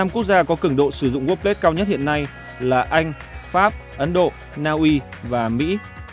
năm quốc gia có cường độ sử dụng wech cao nhất hiện nay là anh pháp ấn độ naui và mỹ